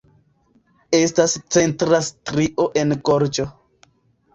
Estas centra strio en gorĝo.